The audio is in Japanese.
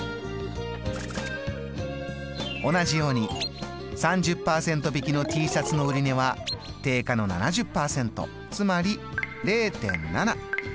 同じように３０％引きのＴシャツの売値は定価の７０％つまり０．７。